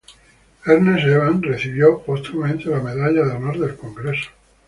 Ernest Evans recibió póstumamente la Medalla de Honor del Congreso.